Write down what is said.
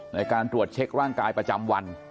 ในการตรวจเช็คร่างกายประจำวัน